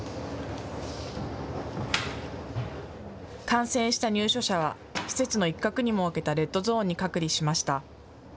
感染した入所者は施設の一角に設けたレッドゾーンに隔離しました。